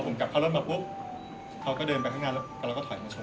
ผมกลับเข้ารถมาปุ๊บเขาก็เดินไปข้างหน้ารถเราก็ถอยมาชน